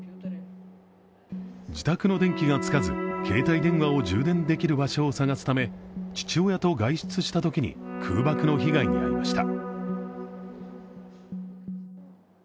自宅の電気がつかず、携帯電話を充電できる場所を探すため父親と外出したときに空爆の被害に遭いました。